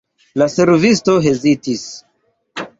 La servisto hezitis.